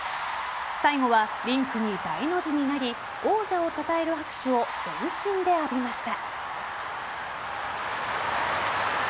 最後はリンクに大の字になり王者をたたえる拍手を全身で浴びました。